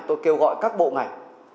tôi kêu gọi các bộ ngành